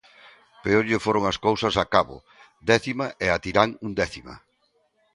Peor lle foron as cousas a Cabo, décima, e a Tirán, undécima.